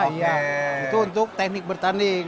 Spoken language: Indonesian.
itu untuk teknik bertanding